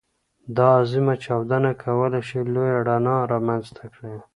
دا عظيم چاودنه کولی شي لویه رڼا رامنځته کړي.